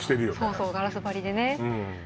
そうそうガラス張りでね